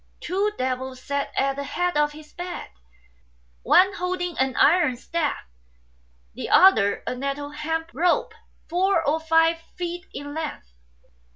Two devils sat at the head of his bed, one holding an iron staff, the other a nettle hemp rope four or five feet in length.